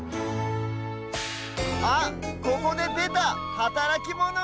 あっここででたはたらきモノ！